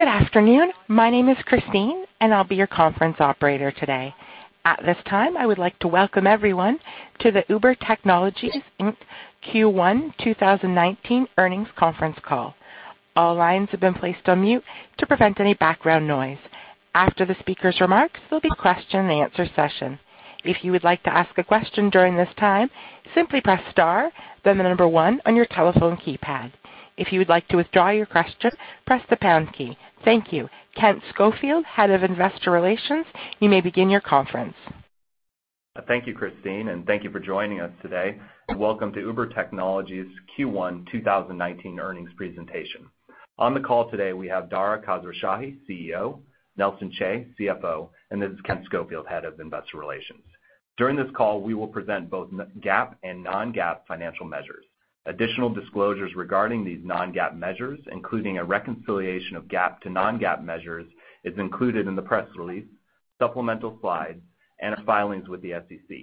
Good afternoon. My name is Christine, and I'll be your conference operator today. At this time, I would like to welcome everyone to the Uber Technologies, Inc Q1 2019 earnings conference call. All lines have been placed on mute to prevent any background noise. After the speaker's remarks, there'll be a question and answer session. If you would like to ask a question during this time, simply press star then one on your telephone keypad. If you would like to withdraw your question, press the pound key. Thank you. Kent Schofield, head of investor relations, you may begin your conference. Thank you, Christine, and thank you for joining us today. Welcome to Uber Technologies' Q1 2019 earnings presentation. On the call today, we have Dara Khosrowshahi, CEO, Nelson Chai, CFO, and this is Kent Schofield, Head of Investor Relations. During this call, we will present both the GAAP and non-GAAP financial measures. Additional disclosures regarding these non-GAAP measures, including a reconciliation of GAAP to non-GAAP measures, is included in the press release, supplemental slides, and our filings with the SEC,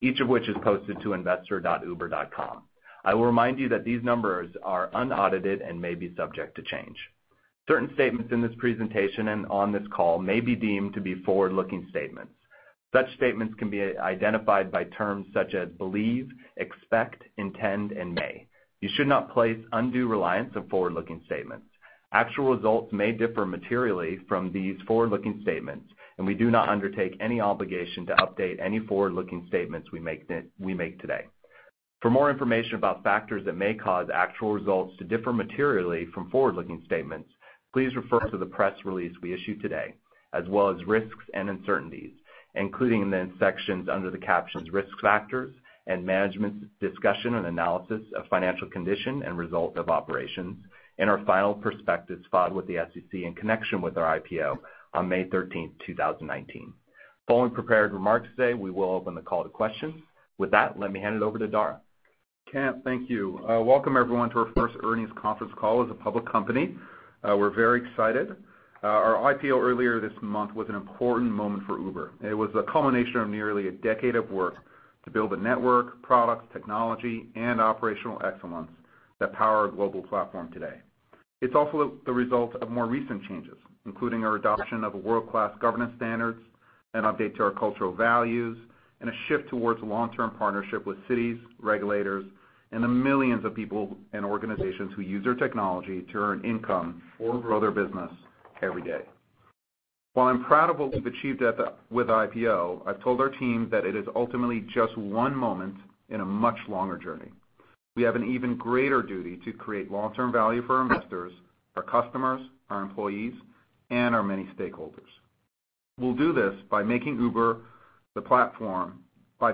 each of which is posted to investor.uber.com. I will remind you that these numbers are unaudited and may be subject to change. Certain statements in this presentation and on this call may be deemed to be forward-looking statements. Such statements can be identified by terms such as believe, expect, intend, and may. You should not place undue reliance on forward-looking statements. Actual results may differ materially from these forward-looking statements, and we do not undertake any obligation to update any forward-looking statements we make today. For more information about factors that may cause actual results to differ materially from forward-looking statements, please refer to the press release we issued today, as well as risks and uncertainties, including in the sections under the captions 'Risk Factors' and 'Management's Discussion and Analysis of Financial Condition and Results of Operations' in our final prospectus filed with the SEC in connection with our IPO on May 13, 2019. Following prepared remarks today, we will open the call to questions. With that, let me hand it over to Dara. Kent, thank you. Welcome everyone to our first earnings conference call as a public company. We're very excited. Our IPO earlier this month was an important moment for Uber. It was a culmination of nearly a decade of work to build a network, products, technology, and operational excellence that power our global platform today. It's also the result of more recent changes, including our adoption of world-class governance standards, an update to our cultural values, and a shift towards long-term partnership with cities, regulators, and the millions of people and organizations who use our technology to earn income or grow their business every day. While I'm proud of what we've achieved with the IPO, I've told our team that it is ultimately just one moment in a much longer journey. We have an even greater duty to create long-term value for our investors, our customers, our employees, and our many stakeholders. We'll do this by making the Uber platform a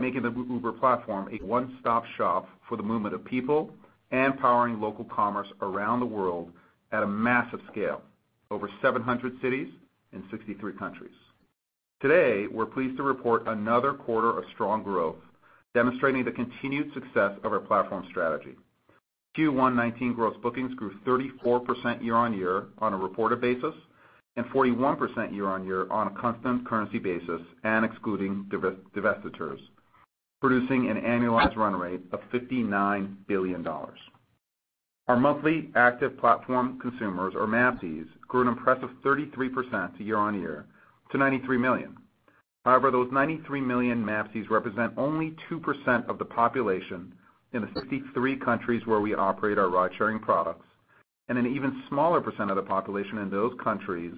one-stop shop for the movement of people and powering local commerce around the world at a massive scale, over 700 cities in 63 countries. Today, we're pleased to report another quarter of strong growth, demonstrating the continued success of our platform strategy. Q1 2019 gross bookings grew 34% year-on-year on a reported basis and 41% year-on-year on a constant currency basis, and excluding divestitures, producing an annualized run rate of $59 billion. Our monthly active platform consumers or MAPCs grew an impressive 33% year-on-year to 93 million. However, those 93 million MAPCs represent only 2% of the population in the 63 countries where we operate our ridesharing products and an even smaller percent of the population in those countries,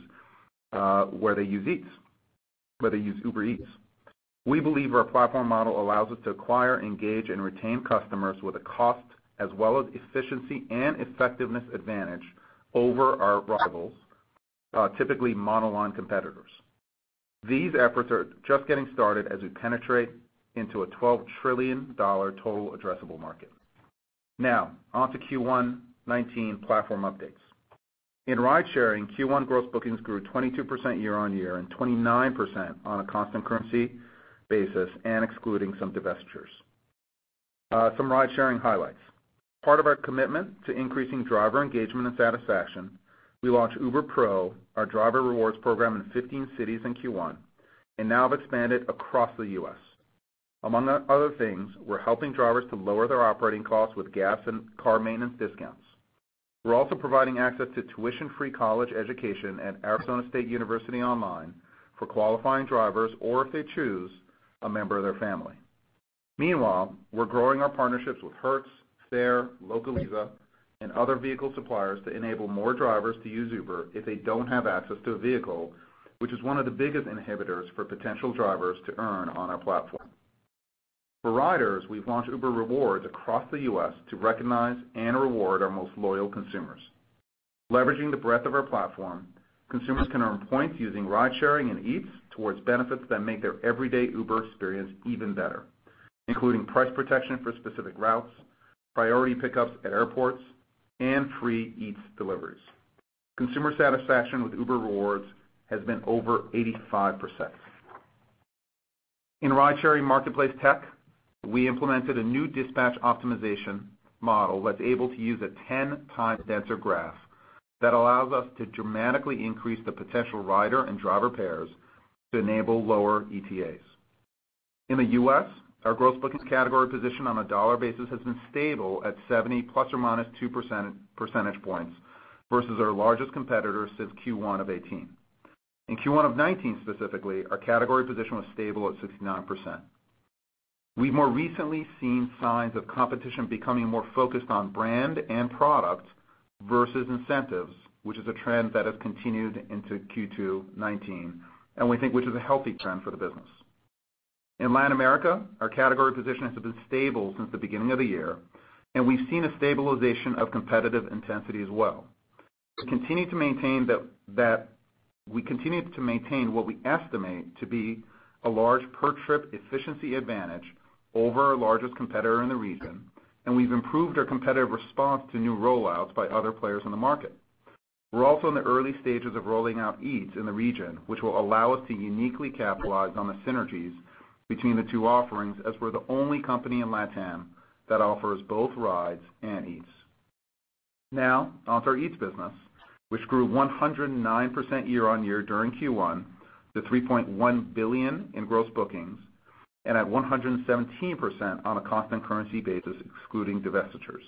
where they use Uber Eats. We believe our platform model allows us to acquire, engage, and retain customers with a cost as well as efficiency and effectiveness advantage over our rivals, typically monoline competitors. These efforts are just getting started as we penetrate into a $12 trillion total addressable market. Now, onto Q1 2019 platform updates. In ridesharing, Q1 gross bookings grew 22% year-on-year and 29% on a constant currency basis and excluding some divestitures. Some ridesharing highlights. Part of our commitment to increasing driver engagement and satisfaction, we launched Uber Pro, our driver rewards program, in 15 cities in Q1 and now have expanded across the U.S. Among other things, we're helping drivers to lower their operating costs with gas and car maintenance discounts. We're also providing access to tuition-free college education at Arizona State University Online for qualifying drivers or, if they choose, a member of their family. Meanwhile, we're growing our partnerships with Hertz, Fair, Localiza, and other vehicle suppliers to enable more drivers to use Uber if they don't have access to a vehicle, which is 1 of the biggest inhibitors for potential drivers to earn on our platform. For riders, we've launched Uber Rewards across the U.S. to recognize and reward our most loyal consumers. Leveraging the breadth of our platform, consumers can earn points using ridesharing and Eats towards benefits that make their everyday Uber experience even better, including price protection for specific routes, priority pickups at airports, and free Eats deliveries. Consumer satisfaction with Uber Rewards has been over 85%. In ridesharing marketplace tech, we implemented a new dispatch optimization model that's able to use a 10x-denser graph that allows us to dramatically increase the potential rider and driver pairs to enable lower ETAs. In the U.S., our gross bookings category position on a dollar basis has been stable at 70 ± 2 percentage points versus our largest competitor since Q1 of 2018. In Q1 of 2019 specifically, our category position was stable at 69%. We've more recently seen signs of competition becoming more focused on brand and product versus incentives, which is a trend that has continued into Q2 2019, and we think which is a healthy trend for the business. In Latin America, our category position has been stable since the beginning of the year, and we've seen a stabilization of competitive intensity as well. We continue to maintain what we estimate to be a large per-trip efficiency advantage over our largest competitor in the region, and we've improved our competitive response to new rollouts by other players in the market. We're also in the early stages of rolling out Eats in the region, which will allow us to uniquely capitalize on the synergies between the two offerings, as we're the only company in LatAm that offers both Rides and Eats. Onto our Eats business, which grew 109% year-over-year during Q1 to $3.1 billion in gross bookings and at 117% on a constant currency basis excluding divestitures.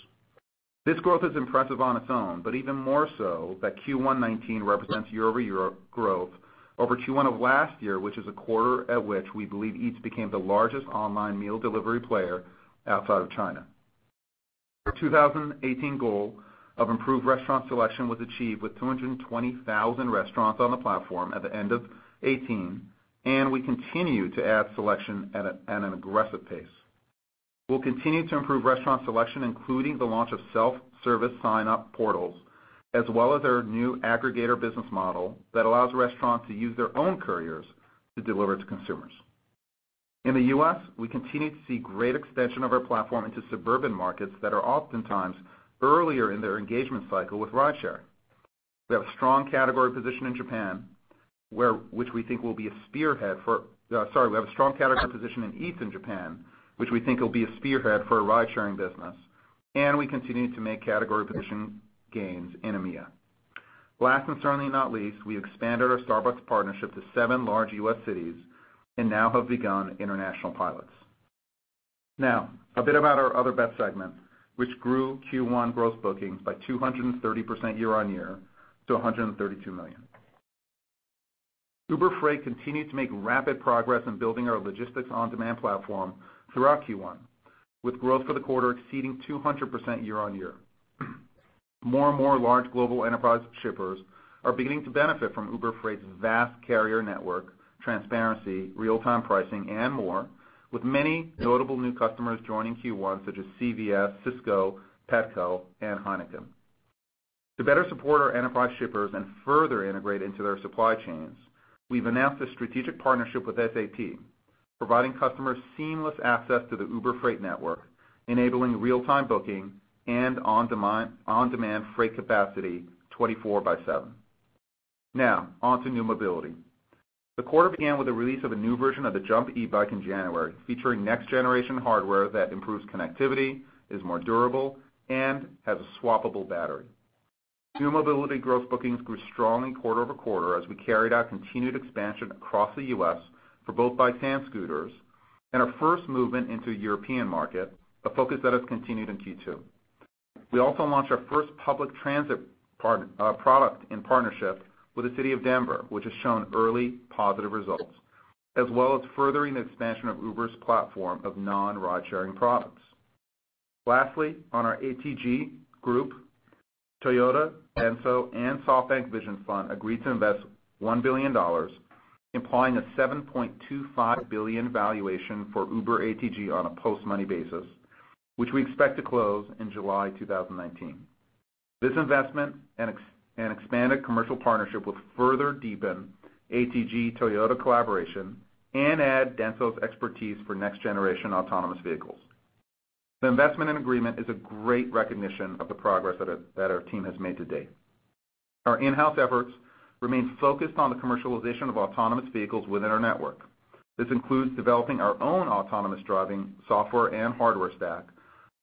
This growth is impressive on its own, but even more so that Q1 2019 represents year-over-year growth over Q1 of last year, which is a quarter at which we believe Eats became the largest online meal delivery player outside of China. Our 2018 goal of improved restaurant selection was achieved with 220,000 restaurants on the platform at the end of 2018, we continue to add selection at an aggressive pace. We'll continue to improve restaurant selection, including the launch of self-service sign-up portals, as well as our new aggregator business model that allows restaurants to use their own couriers to deliver to consumers. In the U.S., we continue to see great extension of our platform into suburban markets that are oftentimes earlier in their engagement cycle with rideshare. We have a strong category position in Uber Eats in Japan, which we think will be a spearhead for our ridesharing business, and we continue to make category position gains in EMEA. Last and certainly not least, we expanded our Starbucks partnership to seven large U.S. cities and now have begun international pilots. A bit about our Other Bets segment, which grew Q1 gross bookings by 230% year-on-year to $132 million. Uber Freight continued to make rapid progress in building our logistics on-demand platform throughout Q1, with growth for the quarter exceeding 200% year-on-year. More and more large global enterprise shippers are beginning to benefit from Uber Freight's vast carrier network, transparency, real-time pricing, and more, with many notable new customers joining Q1, such as CVS, Sysco, Petco, and Heineken. To better support our enterprise shippers and further integrate into their supply chains, we've announced a strategic partnership with SAP, providing customers seamless access to the Uber Freight network, enabling real-time booking and on-demand freight capacity 24/7. Onto New Mobility. The quarter began with the release of a new version of the Jump e-bike in January, featuring next-generation hardware that improves connectivity, is more durable, and has a swappable battery. New Mobility gross bookings grew strongly quarter-over-quarter as we carried our continued expansion across the U.S. for both bikes and scooters, and our first movement into a European market, a focus that has continued in Q2. We also launched our first public transit product in partnership with the city of Denver, which has shown early positive results, as well as furthering the expansion of Uber's platform of non-ridesharing products. On our ATG group, Toyota, Denso, and SoftBank Vision Fund agreed to invest $1 billion, implying a $7.25 billion valuation for Uber ATG on a post-money basis, which we expect to close in July 2019. This investment and expanded commercial partnership will further deepen ATG-Toyota collaboration and add Denso's expertise for next-generation autonomous vehicles. The investment and agreement is a great recognition of the progress that our team has made to date. Our in-house efforts remain focused on the commercialization of autonomous vehicles within our network. This includes developing our own autonomous driving software and hardware stack,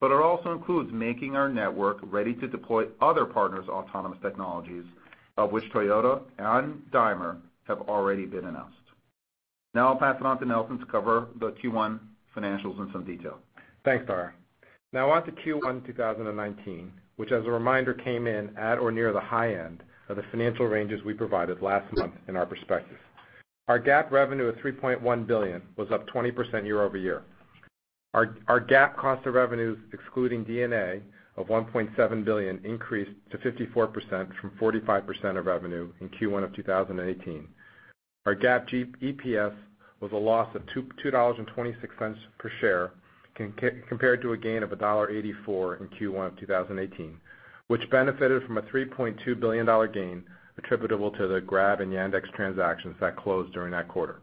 but it also includes making our network ready to deploy other partners' autonomous technologies, of which Toyota and Daimler have already been announced. Now I'll pass it on to Nelson to cover the Q1 financials in some detail. Thanks, Dara. Now on to Q1 2019, which as a reminder, came in at or near the high end of the financial ranges we provided last month in our prospectus. Our GAAP revenue of $3.1 billion was up 20% year-over-year. Our GAAP cost of revenues, excluding D&A, of $1.7 billion increased to 54% from 45% of revenue in Q1 of 2018. Our GAAP EPS was a loss of $2.26 per share compared to a gain of $1.84 in Q1 of 2018, which benefited from a $3.2 billion gain attributable to the Grab and Yandex transactions that closed during that quarter.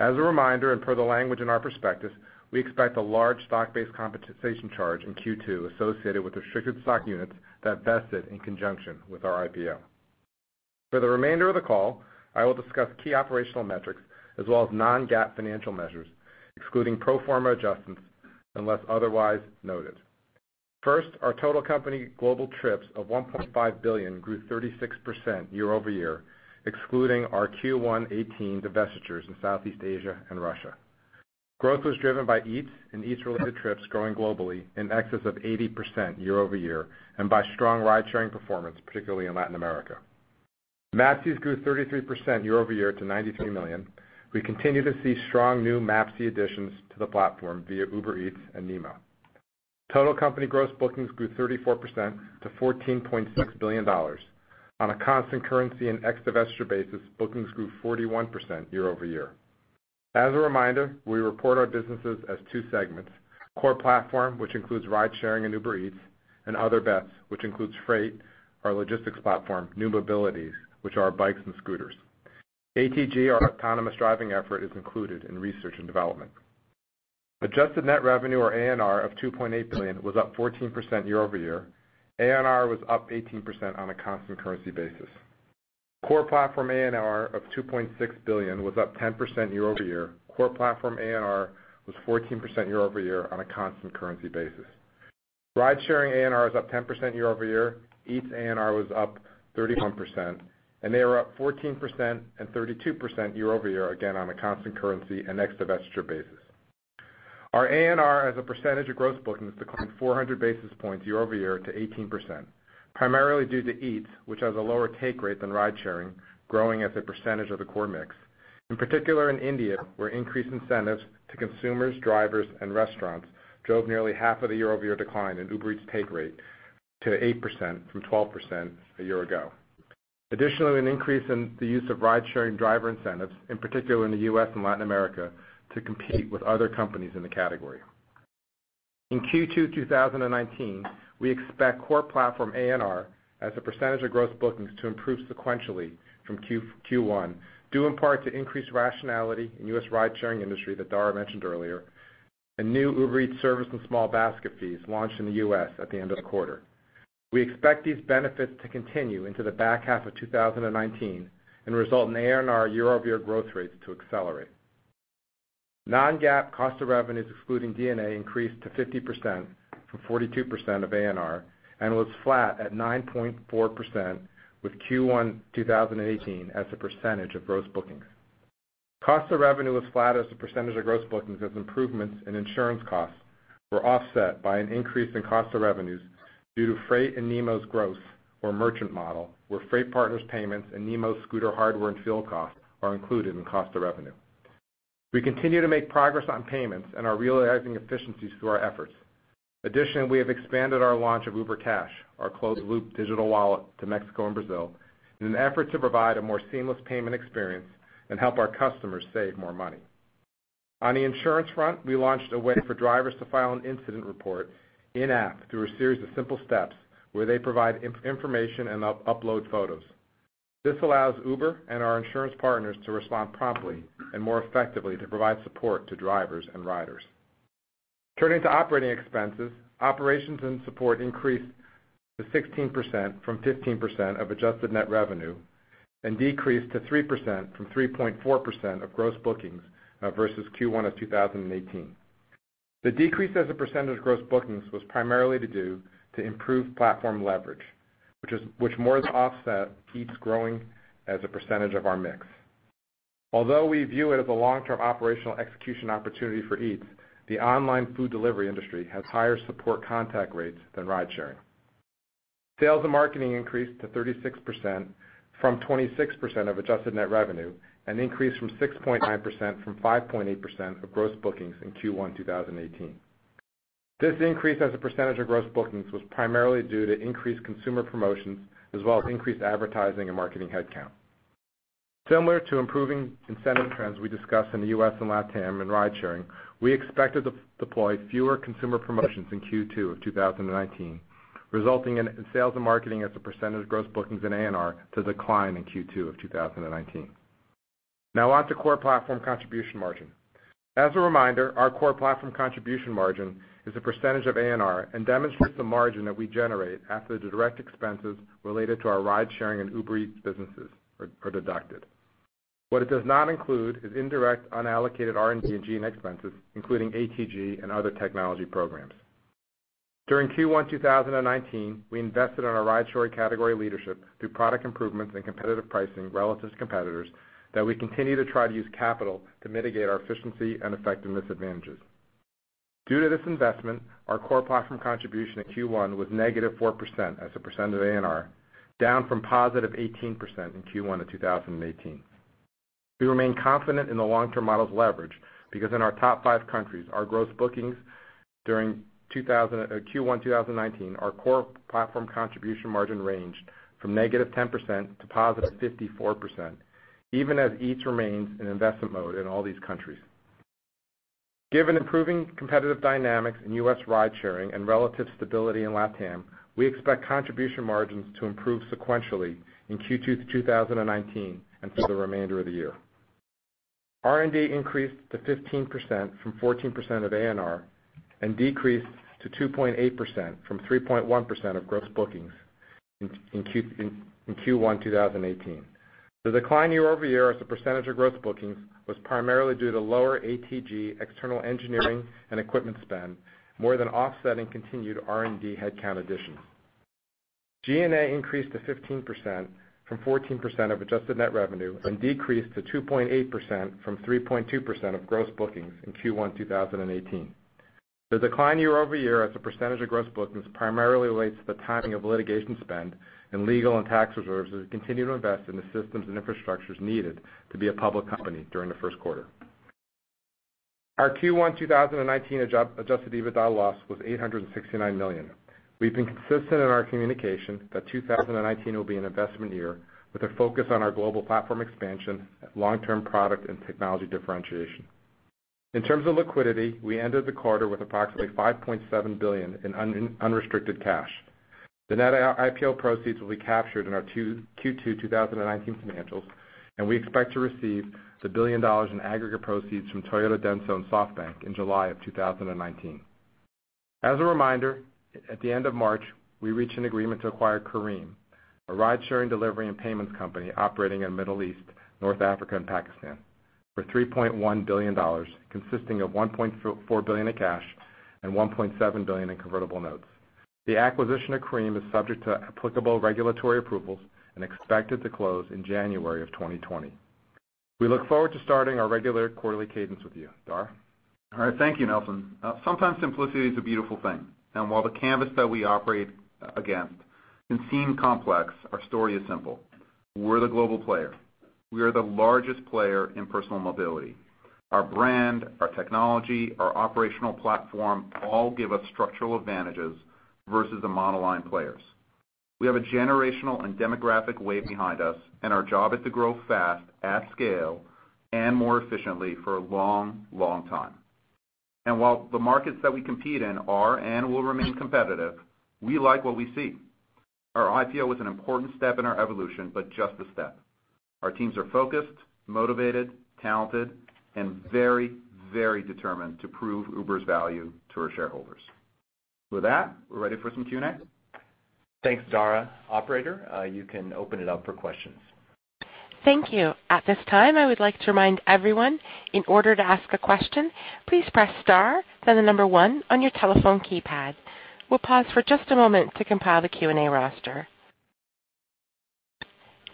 As a reminder and per the language in our prospectus, we expect a large stock-based compensation charge in Q2 associated with restricted stock units that vested in conjunction with our IPO. For the remainder of the call, I will discuss key operational metrics as well as non-GAAP financial measures, excluding pro forma adjustments unless otherwise noted. First, our total company global trips of 1.5 billion grew 36% year-over-year, excluding our Q1 2018 divestitures in Southeast Asia and Russia. Growth was driven by Eats and Eats-related trips growing globally in excess of 80% year-over-year and by strong ridesharing performance, particularly in Latin America. MAPCs grew 33% year-over-year to 93 million. We continue to see strong new MAPC additions to the platform via Uber Eats and NeMo. Total company gross bookings grew 34% to $14.6 billion. On a constant currency and ex-divestiture basis, bookings grew 41% year-over-year. As a reminder, we report our businesses as two segments, Core Platform, which includes Ridesharing and Uber Eats, and Other Bets, which includes Freight, our logistics platform, New Mobilities, which are our bikes and scooters. ATG, our autonomous driving effort, is included in research and development. Adjusted Net Revenue or ANR of $2.8 billion was up 14% year-over-year. ANR was up 18% on a constant currency basis. Core Platform ANR of $2.6 billion was up 10% year-over-year. Core Platform ANR was 14% year-over-year on a constant currency basis. Ridesharing ANR was up 10% year-over-year. Eats ANR was up 31%, and they are up 14% and 32% year-over-year, again, on a constant currency and ex-divestiture basis. Our ANR as a percentage of gross bookings declined 400 basis points year-over-year to 18%, primarily due to Eats, which has a lower take rate than Ridesharing, growing as a percentage of the core mix. In particular, in India, where increased incentives to consumers, drivers, and restaurants drove nearly half of the year-over-year decline in Uber Eats take rate to 8% from 12% a year ago. Additionally, an increase in the use of Ridesharing driver incentives, in particular in the U.S. and Latin America, to compete with other companies in the category. In Q2 2019, we expect Core Platform ANR as a percentage of gross bookings to improve sequentially from Q1, due in part to increased rationality in U.S. Ridesharing industry that Dara mentioned earlier, and new Uber Eats service and small basket fees launched in the U.S. at the end of the quarter. We expect these benefits to continue into the back half of 2019 and result in ANR year-over-year growth rates to accelerate. Non-GAAP cost of revenues excluding D&A increased to 50% from 42% of ANR and was flat at 9.4%, with Q1 2018 as a percentage of gross bookings. Cost of revenue was flat as a percentage of gross bookings as improvements in insurance costs were offset by an increase in cost of revenues due to Freight and NeMo's growth or merchant model, where Freight partners payments and NeMo scooter hardware and field costs are included in cost of revenue. We continue to make progress on payments and are realizing efficiencies through our efforts. Additionally, we have expanded our launch of Uber Cash, our closed-loop digital wallet, to Mexico and Brazil in an effort to provide a more seamless payment experience and help our customers save more money. On the insurance front, we launched a way for drivers to file an incident report in-app through a series of simple steps where they provide information and upload photos. This allows Uber and our insurance partners to respond promptly and more effectively to provide support to drivers and riders. Turning to operating expenses, operations and support increased to 16% from 15% of adjusted net revenue and decreased to 3% from 3.4% of gross bookings versus Q1 of 2018. The decrease as a percentage of gross bookings was primarily to improve platform leverage, which more than offset Uber Eats growing as a percentage of our mix. Although we view it as a long-term operational execution opportunity for Eats, the online food delivery industry has higher support contact rates than Ridesharing. Sales and marketing increased to 36% from 26% of adjusted net revenue and increased from 6.9% from 5.8% of gross bookings in Q1 2018. This increase as a percentage of gross bookings was primarily due to increased consumer promotions as well as increased advertising and marketing headcount. Similar to improving incentive trends we discussed in the U.S. and LatAm in Ridesharing, we expect to de-deploy fewer consumer promotions in Q2 of 2019, resulting in sales and marketing as a percentage of gross bookings and ANR to decline in Q2 of 2019. Now on to Core Platform contribution margin. As a reminder, our Core Platform contribution margin is a percentage of ANR and demonstrates the margin that we generate after the direct expenses related to our Ridesharing and Uber Eats businesses are deducted. What it does not include is indirect, unallocated R&D and G&A expenses, including ATG and other technology programs. During Q1 2019, we invested in our Ridesharing category leadership through product improvements and competitive pricing relative to competitors that we continue to try to use capital to mitigate our efficiency and effectiveness advantages. Due to this investment, our Core Platform contribution in Q1 was -4% as a percent of ANR, down from +18% in Q1 of 2018. We remain confident in the long-term model's leverage because in our top five countries, our gross bookings during Q1 2019, our Core Platform contribution margin ranged from -10% to +54%, even as Eats remains in investment mode in all these countries. Given improving competitive dynamics in U.S. Ridesharing and relative stability in LatAm, we expect contribution margins to improve sequentially in Q2 2019 and through the remainder of the year. R&D increased to 15% from 14% of ANR and decreased to 2.8% from 3.1% of gross bookings in Q1 2018. The decline year-over-year as a percentage of gross bookings was primarily due to lower ATG external engineering and equipment spend, more than offsetting continued R&D headcount additions. G&A increased to 15% from 14% of adjusted net revenue, decreased to 2.8% from 3.2% of gross bookings in Q1 2018. The decline year-over-year as a percentage of gross bookings primarily relates to the timing of litigation spend and legal and tax reserves as we continue to invest in the systems and infrastructures needed to be a public company during the first quarter. Our Q1 2019 adjusted EBITDA loss was $869 million. We've been consistent in our communication that 2019 will be an investment year with a focus on our global platform expansion, long-term product and technology differentiation. In terms of liquidity, we ended the quarter with approximately $5.7 billion in unrestricted cash. The net IPO proceeds will be captured in our Q2 2019 financials. We expect to receive the $1 billion in aggregate proceeds from Toyota Denso and SoftBank in July 2019. As a reminder, at the end of March, we reached an agreement to acquire Careem, a rideshare and delivery and payments company operating in Middle East, North Africa and Pakistan, for $3.1 billion, consisting of $1.4 billion in cash and $1.7 billion in convertible notes. The acquisition of Careem is subject to applicable regulatory approvals and expected to close in January 2020. We look forward to starting our regular quarterly cadence with you. Dara? All right, thank you, Nelson. Sometimes simplicity is a beautiful thing. While the canvas that we operate against can seem complex, our story is simple. We're the global player. We are the largest player in personal mobility. Our brand, our technology, our operational platform all give us structural advantages versus the monoline players. We have a generational and demographic wave behind us, and our job is to grow fast, at scale, and more efficiently for a long, long time. While the markets that we compete in are and will remain competitive, we like what we see. Our IPO was an important step in our evolution, but just a step. Our teams are focused, motivated, talented, and very, very determined to prove Uber's value to our shareholders. With that, we're ready for some Q&A. Thanks, Dara. Operator, you can open it up for questions. Thank you. At this time, I would like to remind everyone, in order to ask a question, please press star, then one on your telephone keypad. We'll pause for just a moment to compile the Q&A roster.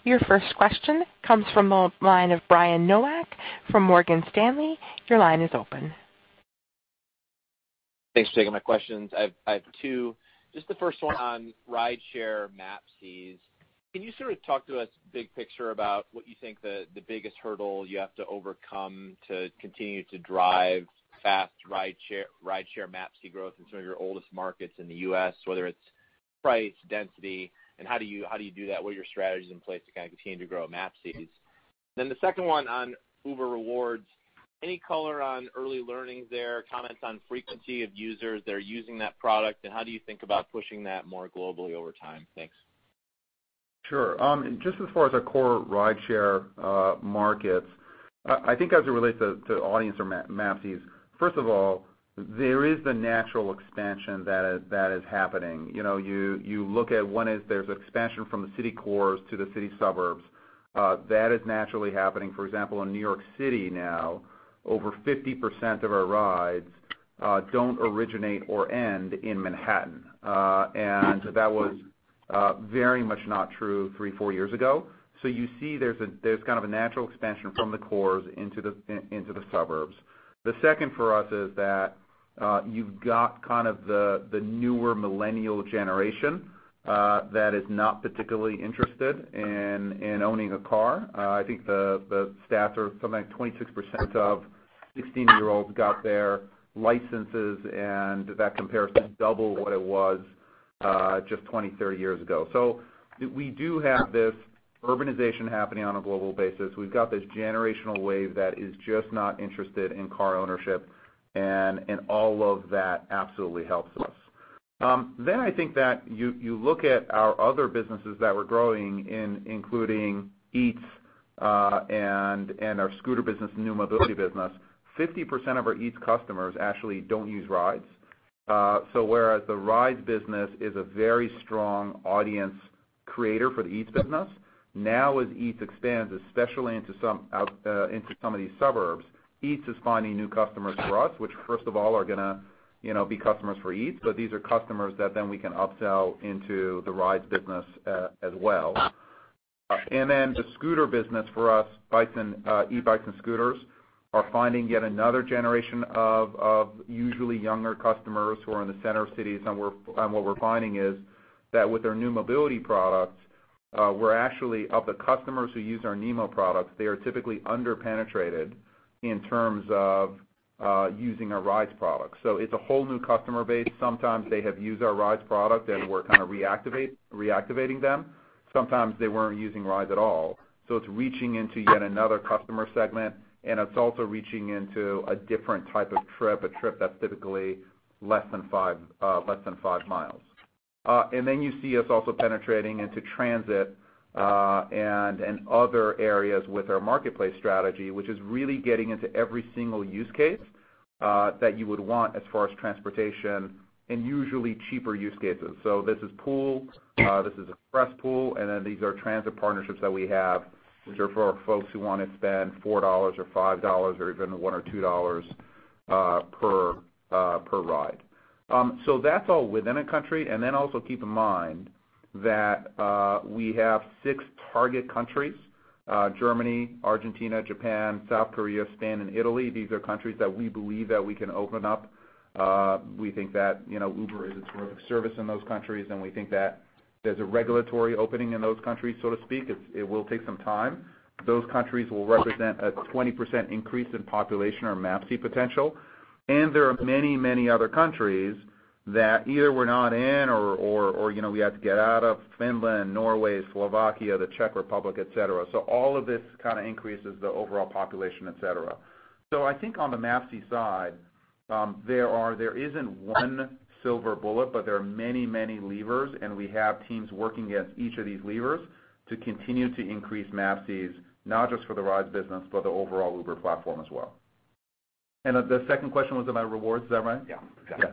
Your first question comes from the line of Brian Nowak from Morgan Stanley. Your line is open. Thanks for taking my questions. I have two. Just the first one on rideshare MAPCs. Can you sort of talk to us big picture about what you think the biggest hurdle you have to overcome to continue to drive fast rideshare MAPC growth in some of your oldest markets in the U.S., whether it's price, density, and how do you do that? What are your strategies in place to kind of continue to grow MAPCs? The second one on Uber Rewards. Any color on early learnings there, comments on frequency of users that are using that product, and how do you think about pushing that more globally over time? Thanks. Sure. Just as far as our core rideshare markets, I think as it relates to audience or MAPCs, first of all, there is the natural expansion that is happening. You know, you look at one is there's expansion from the city cores to the city suburbs. That is naturally happening. For example, in New York City now, over 50% of our rides don't originate or end in Manhattan. That was very much not true 3, 4 years ago. You see there's kind of a natural expansion from the cores into the suburbs. The second for us is that you've got kind of the newer millennial generation that is not particularly interested in owning a car. I think the stats are something like 26% of 16-year-olds got their licenses, and that compares to double what it was just 20, 30 years ago. We do have this urbanization happening on a global basis. We've got this generational wave that is just not interested in car ownership and all of that absolutely helps us. I think that you look at our other businesses that we're growing in including Eats, and our scooter business, New Mobility business. 50% of our Eats customers actually don't use rides. Whereas the rides business is a very strong audience creator for the Eats business, now as Eats expands, especially into some out, into some of these suburbs, Eats is finding new customers for us, which first of all are gonna, you know, be customers for Eats, but these are customers that then we can upsell into the rides business as well. The scooter business for us, bikes and e-bikes and scooters, are finding yet another generation of usually younger customers who are in the center of cities. What we're finding is that with our new mobility products, we're actually, of the customers who use our NeMo products, they are typically under-penetrated in terms of using our rides product. It's a whole new customer base. Sometimes they have used our rides product and we're kind of reactivating them. Sometimes they weren't using rides at all. It's reaching into yet another customer segment, and it's also reaching into a different type of trip, a trip that's typically less than five miles. Then you see us also penetrating into transit and other areas with our marketplace strategy, which is really getting into every single use case. That you would want as far as transportation and usually cheaper use cases. This is Pool, this is Express Pool, and then these are transit partnerships that we have, which are for folks who want to spend $4 or $5 or even $1 or $2 per ride. That's all within a country. Keep in mind that we have six target countries, Germany, Argentina, Japan, South Korea, Spain, and Italy. These are countries that we believe that we can open up. We think that, you know, Uber is a service in those countries, and we think that there's a regulatory opening in those countries, so to speak. It will take some time. Those countries will represent a 20% increase in population or MAPC potential. There are many, many other countries that either we're not in or, you know, we have to get out of Finland, Norway, Slovakia, the Czech Republic, et cetera. All of this kind of increases the overall population, et cetera. I think on the MAPC side, there isn't one silver bullet, but there are many, many levers, and we have teams working at each of these levers to continue to increase MAPCs, not just for the rides business, but the overall Uber platform as well. The second question was about rewards. Is that right? Yeah, exactly.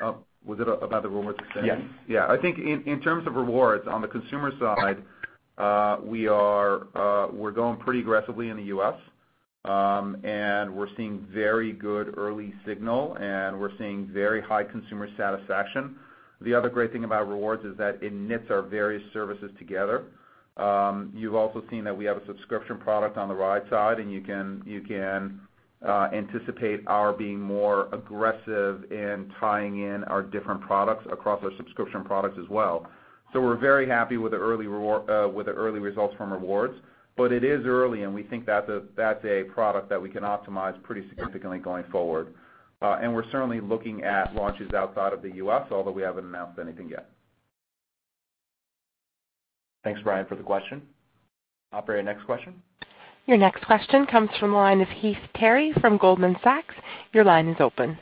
Yeah. Was it about the Rewards the same? Yes. I think in terms of rewards, on the consumer side, we are, we're going pretty aggressively in the U.S., and we're seeing very good early signal, and we're seeing very high consumer satisfaction. The other great thing about rewards is that it knits our various services together. You've also seen that we have a subscription product on the ride side, and you can anticipate our being more aggressive in tying in our different products across our subscription products as well. We're very happy with the early results from rewards. It is early, and we think that's a product that we can optimize pretty significantly going forward. We're certainly looking at launches outside of the U.S., although we haven't announced anything yet. Thanks, Brian, for the question. Operator, next question. Your next question comes from the line of Heath Terry from Goldman Sachs. Your line is open.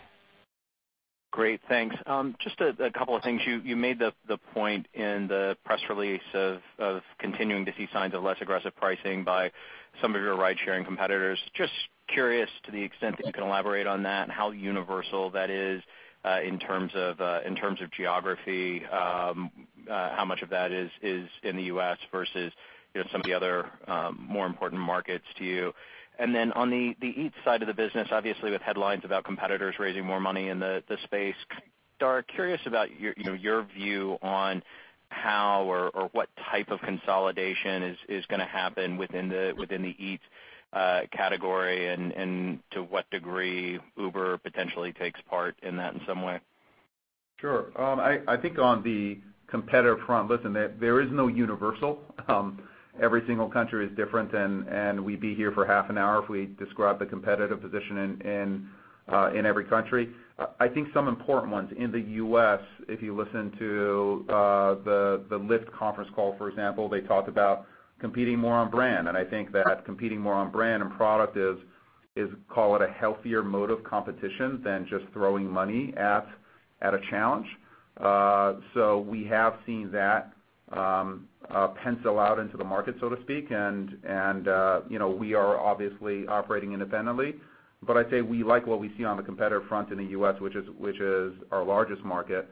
Great. Thanks. Just a couple of things. You made the point in the press release of continuing to see signs of less aggressive pricing by some of your ride-sharing competitors. Just curious to the extent that you can elaborate on that and how universal that is in terms of geography, how much of that is in the U.S. versus, you know, some of the other more important markets to you? Then on the Eats side of the business, obviously, with headlines about competitors raising more money in the space, kind of curious about your, you know, your view on how or what type of consolidation is gonna happen within the Eats category and to what degree Uber potentially takes part in that in some way? Sure. I think on the competitor front, listen, there is no universal. Every single country is different and we'd be here for half an hour if we describe the competitive position in every country. I think some important ones in the U.S., if you listen to the Lyft conference call, for example, they talk about competing more on brand. I think that competing more on brand and product is call it a healthier mode of competition than just throwing money at a challenge. We have seen that pencil out into the market, so to speak. You know, we are obviously operating independently. I'd say we like what we see on the competitor front in the U.S., which is our largest market.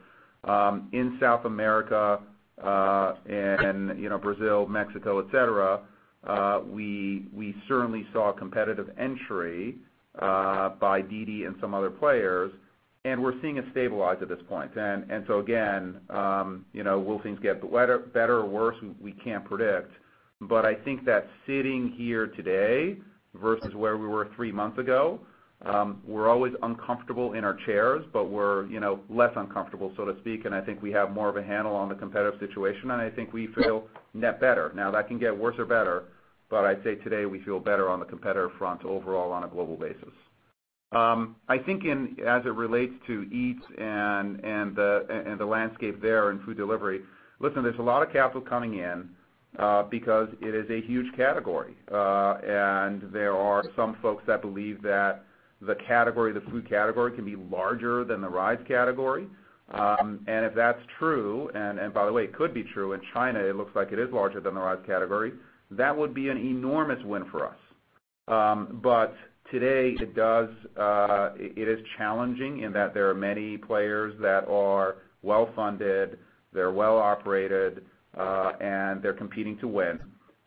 In South America, and, you know, Brazil, Mexico, et cetera, we certainly saw competitive entry by DiDi and some other players. We're seeing it stabilize at this point. You know, will things get better or worse? We can't predict. I think that sitting here today versus where we were three months ago, we're always uncomfortable in our chairs, but we're, you know, less uncomfortable, so to speak. I think we have more of a handle on the competitive situation, and I think we feel net better. That can get worse or better. I'd say today we feel better on the competitor front overall on a global basis. I think as it relates to Eats and the, and the landscape there and food delivery, listen, there's a lot of capital coming in because it is a huge category. There are some folks that believe that the category, the food category, can be larger than the rides category. If that's true, and by the way, it could be true. In China, it looks like it is larger than the rides category. That would be an enormous win for us. Today it does, it is challenging in that there are many players that are well-funded, they're well-operated, and they're competing to win.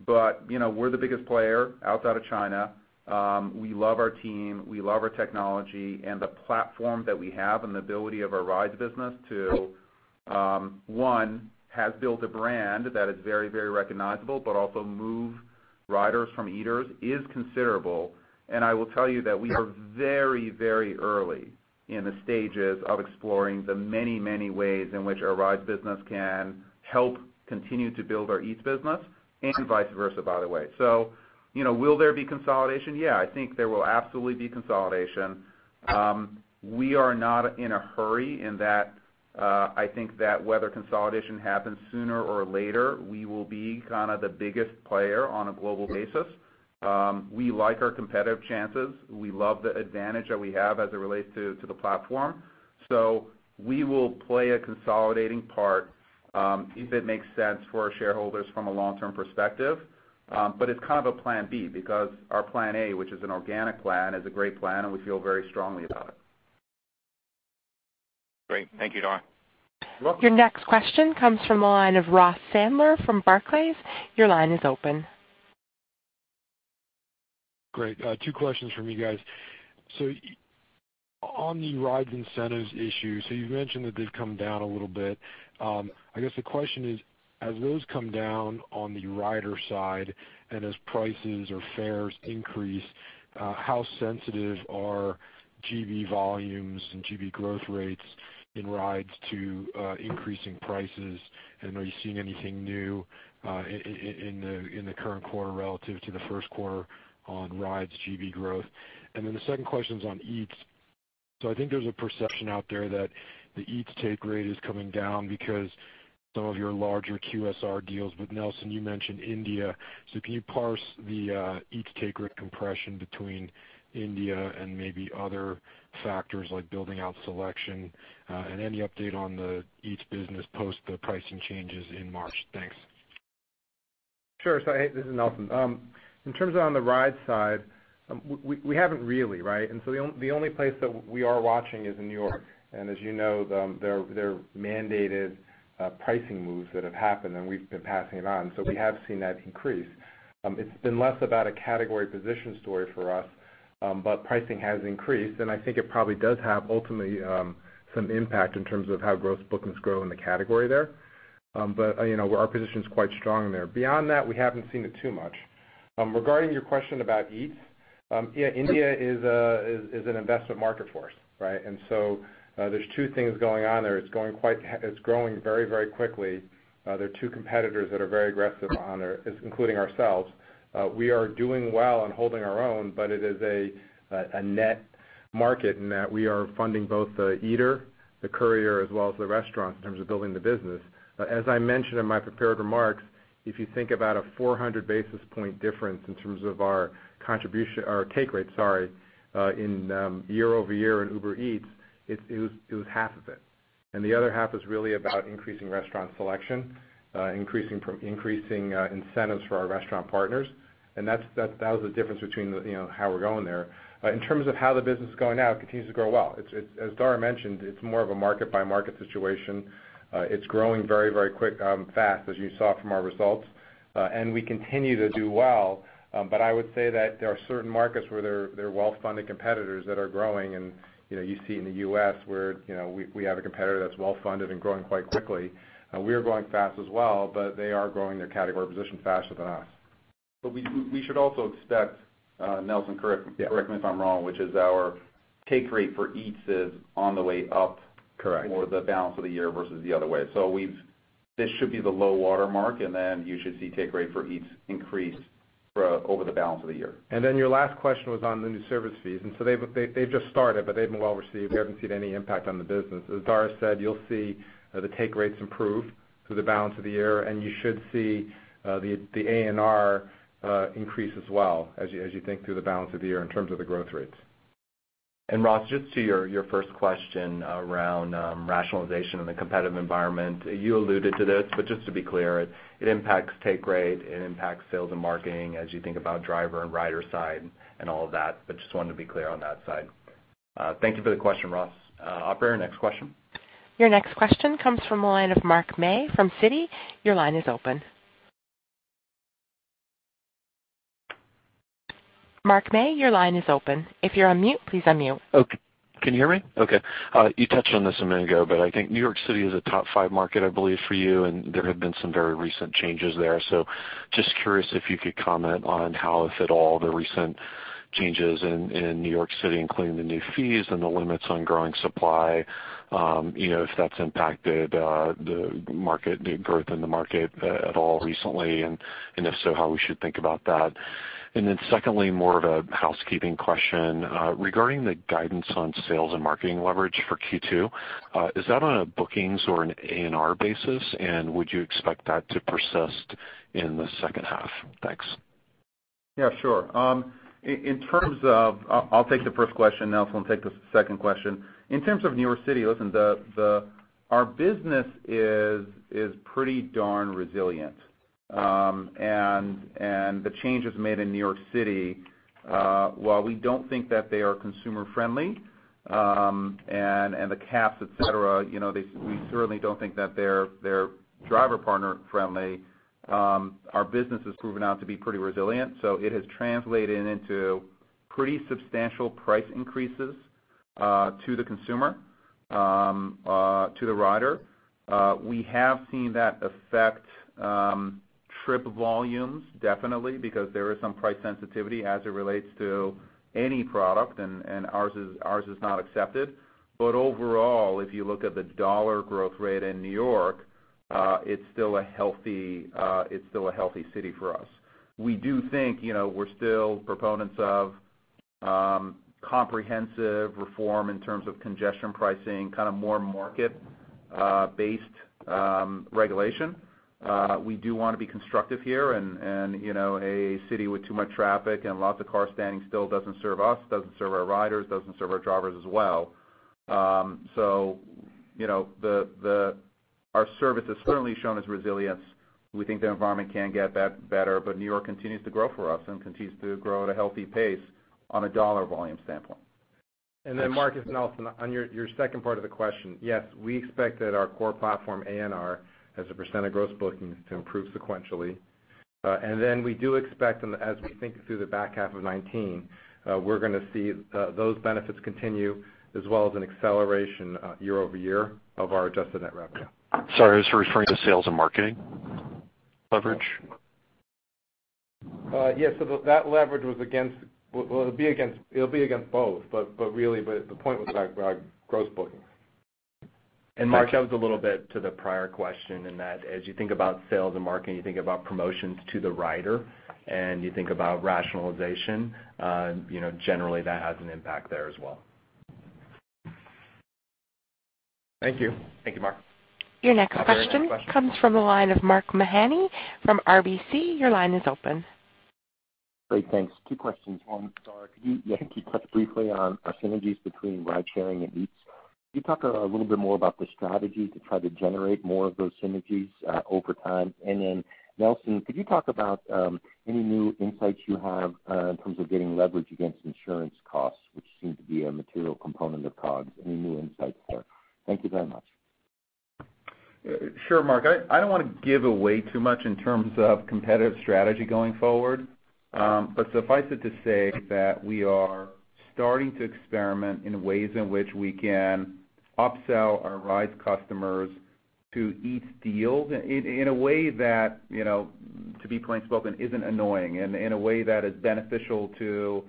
You know, we're the biggest player outside of China. We love our team, we love our technology, and the platform that we have and the ability of our Rides business to, one, has built a brand that is very, very recognizable, but also move riders from Eats is considerable. I will tell you that we are very, very early in the stages of exploring the many, many ways in which our Rides business can help continue to build our Eats business and vice versa, by the way. You know, will there be consolidation? Yeah, I think there will absolutely be consolidation. We are not in a hurry in that, I think that whether consolidation happens sooner or later, we will be kind of the biggest player on a global basis. We like our competitive chances. We love the advantage that we have as it relates to the platform. We will play a consolidating part, if it makes sense for our shareholders from a long-term perspective. It's kind of a plan B because our plan A, which is an organic plan, is a great plan, and we feel very strongly about it. Thank you, Dara. You're welcome. Your next question comes from the line of Ross Sandler from Barclays. Your line is open. Great. Two questions from you guys. On the rides incentives issue, you've mentioned that they've come down a little bit. I guess the question is, as those come down on the rider side and as prices or fares increase, how sensitive are GB volumes and GB growth rates in rides to increasing prices? Are you seeing anything new in the current quarter relative to the first quarter on rides GB growth? The second question's on Eats. I think there's a perception out there that the Eats take rate is coming down because some of your larger QSR deals with Nelson, you mentioned India. Can you parse the Eats take rate compression between India and maybe other factors like building out selection and any update on the Eats business post the pricing changes in March? Thanks. Sure. Hey, this is Nelson. In terms of on the ride side, we haven't really, right? The only place that we are watching is in New York. As you know, there are mandated pricing moves that have happened, and we've been passing it on. We have seen that increase. It's been less about a category position story for us, but pricing has increased, and I think it probably does have, ultimately, some impact in terms of how gross bookings grow in the category there. But, you know, our position is quite strong there. Beyond that, we haven't seen it too much. Regarding your question about Eats, yeah, India is an investment market for us, right? There's two things going on there. It's growing very, very quickly. There are two competitors that are very aggressive on there, including ourselves. We are doing well and holding our own, but it is a net market in that we are funding both the eater, the courier, as well as the restaurant in terms of building the business. As I mentioned in my prepared remarks, if you think about a 400 basis point difference in terms of our take rate, sorry, in year-over-year in Uber Eats, it was half of it. The other half is really about increasing restaurant selection, increasing incentives for our restaurant partners. That was the difference between the, you know, how we're going there. In terms of how the business is going now, it continues to grow well. It, as Dara mentioned, it's more of a market-by-market situation. It's growing very, very quick, fast, as you saw from our results. We continue to do well, but I would say that there are certain markets where there are well-funded competitors that are growing. You know, you see in the U.S., where, you know, we have a competitor that's well-funded and growing quite quickly. We are growing fast as well, but they are growing their category position faster than us. We should also expect, Nelson. Yeah. correct me if I'm wrong, which is our take rate for Eats is on the way up. Correct. For the balance of the year versus the other way. this should be the low water mark, and then you should see take rate for Eats increase for over the balance of the year. Your last question was on the new service fees. They've just started, but they've been well received. We haven't seen any impact on the business. As Dara said, you'll see the take rates improve through the balance of the year, and you should see the ANR increase as well, as you think through the balance of the year in terms of the growth rates. Ross, just to your first question around rationalization in the competitive environment. You alluded to this, but just to be clear, it impacts take rate, it impacts sales and marketing as you think about driver and rider side and all of that. Just wanted to be clear on that side. Thank you for the question, Ross. Operator, next question. Your next question comes from the line of Mark May from Citi. Your line is open. Mark May, your line is open. If you're on mute, please unmute. Can you hear me? Okay. You touched on this a minute ago, I think New York City is a top five market, I believe, for you, and there have been some very recent changes there. Just curious if you could comment on how, if at all, the recent changes in New York City, including the new fees and the limits on growing supply, you know, if that's impacted the market, the growth in the market at all recently, and if so, how we should think about that. Secondly, more of a housekeeping question. Regarding the guidance on sales and marketing leverage for Q2, is that on a bookings or an ANR basis, and would you expect that to persist in the second half? Thanks. Yeah, sure. I'll take the first question, Nelson will take the second question. In terms of New York City, listen, our business is pretty darn resilient. The changes made in New York City, while we don't think that they are consumer-friendly, and the caps, et cetera, you know, we certainly don't think that they're driver partner friendly. Our business has proven out to be pretty resilient, it has translated into pretty substantial price increases to the consumer, to the rider. We have seen that affect trip volumes, definitely, because there is some price sensitivity as it relates to any product, and ours is not excepted. Overall, if you look at the dollar growth rate in New York, it's still a healthy city for us. We do think, you know, we're still proponents of comprehensive reform in terms of congestion pricing, kind of more market based regulation. We do wanna be constructive here, and, you know, a city with too much traffic and lots of cars standing still doesn't serve us, doesn't serve our riders, doesn't serve our drivers as well. Our service has certainly shown us resilience. We think the environment can get better, but New York continues to grow for us and continues to grow at a healthy pace on a dollar volume standpoint. Mark, its Nelson, on your second part of the question, yes, we expect that our core platform ANR as a percent of gross bookings to improve sequentially. We do expect and as we think through the back half of 2019, we're gonna see those benefits continue as well as an acceleration year-over-year of our adjusted net revenue. Sorry, I was referring to sales and marketing leverage. Yes, that leverage was against. Well, it'll be against both, but really, the point was about gross bookings. Mark, that was a little bit to the prior question in that as you think about sales and marketing, you think about promotions to the rider, and you think about rationalization, you know, generally that has an impact there as well. Thank you. Thank you, Mark. Your next question comes from the line of Mark Mahaney from RBC. Your line is open. Great, thanks. Two questions. One, Dara, could you, I think you touched briefly on synergies between ride-sharing and Eats. Could you talk a little bit more about the strategy to try to generate more of those synergies over time? Nelson, could you talk about any new insights you have in terms of getting leverage against insurance costs, which seem to be a material component of COGS? Any new insights there? Thank you very much. Sure, Mark. I don't wanna give away too much in terms of competitive strategy going forward. Suffice it to say that we are starting to experiment in ways in which we can upsell our rides customers to Eats deals in a way that, you know, to be plain spoken, isn't annoying, in a way that is beneficial to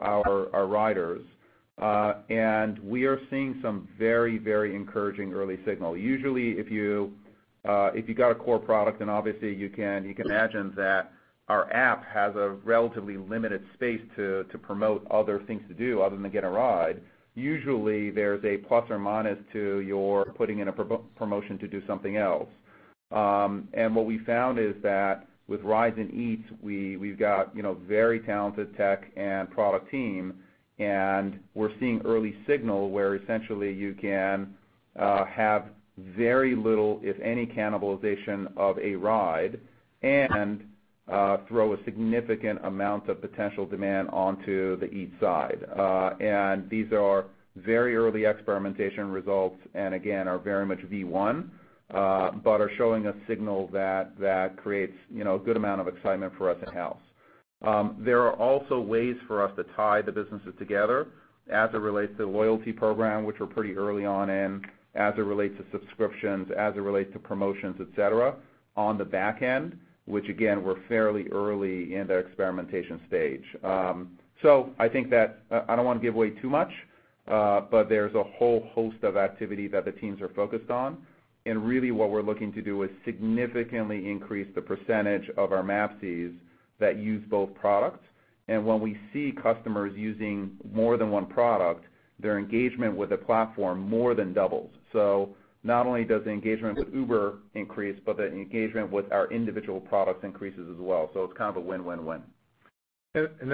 our riders. We are seeing some very encouraging early signal. Usually, if you've got a core product, obviously you can imagine that our app has a relatively limited space to promote other things to do other than get a ride. Usually, there's a plus or minus to your putting in a promo-promotion to do something else. What we found is that with rides and Eats, we've got, you know, very talented tech and product team, and we're seeing early signal where essentially you can have very little, if any, cannibalization of a ride and throw a significant amount of potential demand onto the Eats side. These are very early experimentation results and again, are very much V1, but are showing a signal that creates, you know, a good amount of excitement for us in-house. There are also ways for us to tie the businesses together as it relates to loyalty program, which we're pretty early on in, as it relates to subscriptions, as it relates to promotions, et cetera, on the back end, which again, we're fairly early in the experimentation stage. I think that, I don't want to give away too much, but there's a whole host of activity that the teams are focused on. Really what we're looking to do is significantly increase the percentage of our MAPCs that use both products. When we see customers using more than one product, their engagement with the platform more than doubles. Not only does the engagement with Uber increase, but the engagement with our individual products increases as well. It's kind of a win-win-win.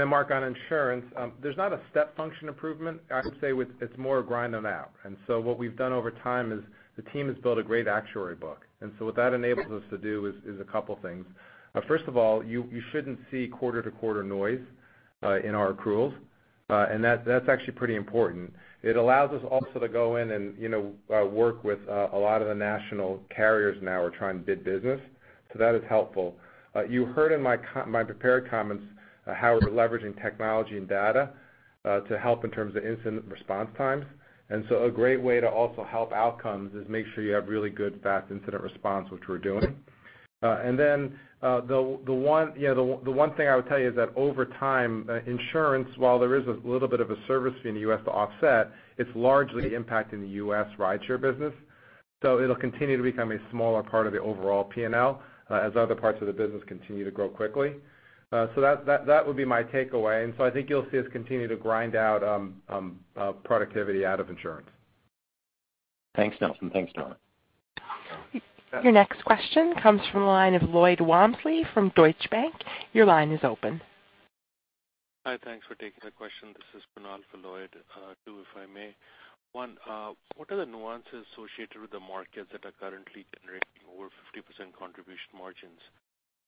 Mark, on insurance, there's not a step function improvement. I would say it's more grind them out. What we've done over time is the team has built a great actuary book. What that enables us to do is a couple things. First of all, you shouldn't see quarter-to-quarter noise in our accruals. That's actually pretty important. It allows us also to go in and, you know, work with a lot of the national carriers now who are trying to bid business. That is helpful. You heard in my prepared comments, how we're leveraging technology and data to help in terms of incident response times. A great way to also help outcomes is make sure you have really good, fast incident response, which we're doing. The one thing I would tell you is that over time, insurance, while there is a little bit of a service fee in the U.S. to offset, it's largely impacting the U.S. rideshare business. It'll continue to become a smaller part of the overall P&L, as other parts of the business continue to grow quickly. That, that would be my takeaway. I think you'll see us continue to grind out productivity out of insurance. Thanks, Nelson. Thanks, Dara. Your next question comes from the line of Lloyd Walmsley from Deutsche Bank. Your line is open. Hi. Thanks for taking the question. This is Kunal for Lloyd. Two, if I may. One, what are the nuances associated with the markets that are currently generating over 50% contribution margins?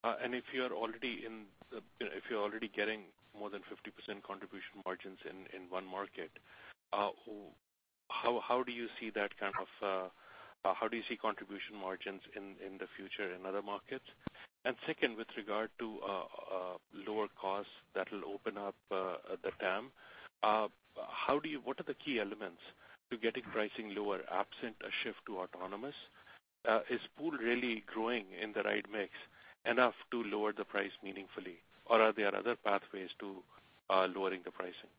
If you're already in, you know, if you're already getting more than 50% contribution margins in one market, how do you see that kind of, how do you see contribution margins in the future in other markets? Second, with regard to lower costs that'll open up the TAM, what are the key elements to getting pricing lower absent a shift to autonomous? Is Pool really growing in the right mix enough to lower the price meaningfully, or are there other pathways to lowering the pricing?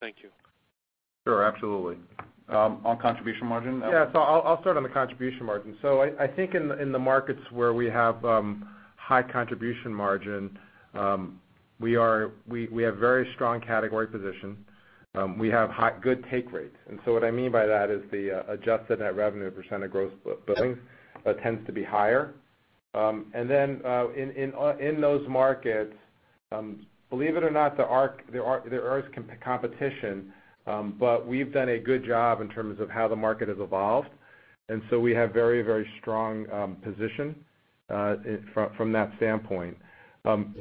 Thank you. Sure, absolutely. On contribution margin. Yeah. I'll start on the contribution margin. I think in the markets where we have high contribution margin, we have very strong category position. We have good take rates. What I mean by that is the adjusted net revenue percent of gross bookings tends to be higher. Then in those markets, believe it or not, there is competition, but we've done a good job in terms of how the market has evolved. We have very strong position from that standpoint.